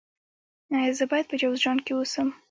ایا زه باید په جوزجان کې اوسم؟